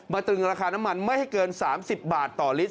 ตรึงราคาน้ำมันไม่ให้เกิน๓๐บาทต่อลิตร